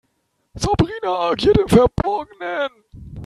Sabrina agiert im Verborgenen.